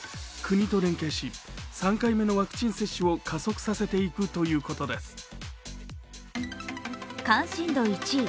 国と連携し、３回目のワクチン接種を加速させていくということです。